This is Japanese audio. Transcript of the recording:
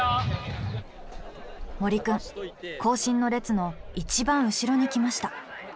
森くん行進の列の一番後ろに来ました。